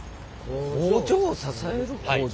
工場を支える工場？